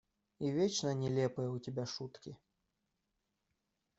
И вечно нелепые у тебя шутки…